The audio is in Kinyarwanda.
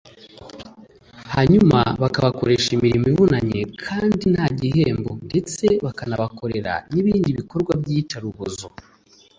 hanyuma bakabakoresha imirimo ivunanye kandi nta gihembo ndetse bakabakorera n’ibindi bikorwa by’iyicarubozo